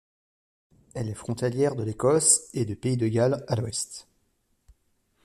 Elle est frontalière de l'Écosse et du pays de Galles à l'ouest.